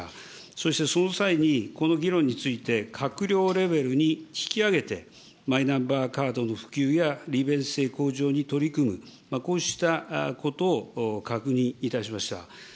そしてその際に、この議論について、閣僚レベルに引き上げて、マイナンバーカードの普及や、利便性向上に取り組む、こうしたことを確認いたしました。